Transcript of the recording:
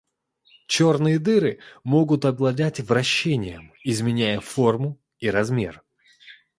Черные дыры могут обладать вращением, изменяя форму и размер.